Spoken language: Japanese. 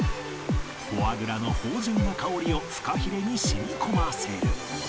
フォアグラの芳醇な香りをフカヒレに染み込ませる